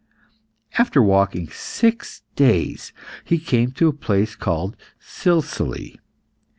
After walking six days, he came to a place called Silsile.